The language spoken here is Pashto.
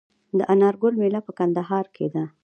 د انار ګل میله په کندهار کې ده.